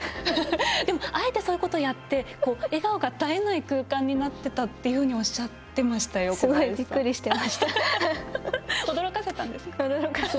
でも、あえてそういうことをやって笑顔が絶えない空間になっていたというふうにおっしゃっていましたよ小林さん。